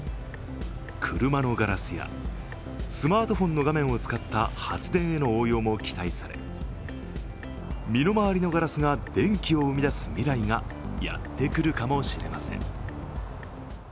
車のガラスやスマートフォンの画面を使った発電への応用も期待され身の回りのガラスが電気を生み出す未来がやってくるかもしれません。